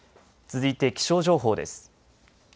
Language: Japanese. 続いて気象情報です。